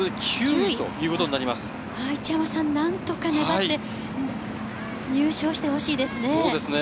一山さん何とか粘って、入賞してほしいですね。